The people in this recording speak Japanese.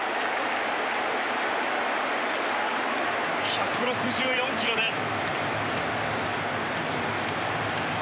１６４キロです。